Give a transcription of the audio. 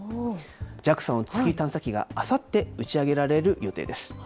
ＪＡＸＡの月探査機が、あさって打ち上げられる予定です。